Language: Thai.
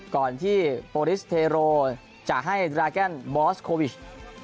ก่อนที่โปรลิสเทโรจะให้ดราแกนบอสโควิช